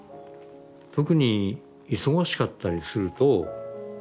特に忙しかったりすると。